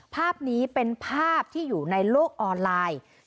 ภาพนี้เป็นภาพที่อยู่ในโลกออนไลน์